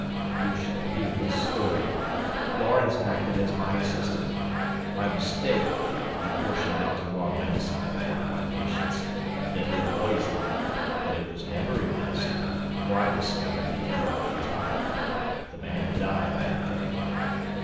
You shall hear his story. Laurens acted as my assistant. By mistake he portioned out the wrong medicine for one of my patients a deadly poison but it was never administered, for I discovered the error in time. The man died that day.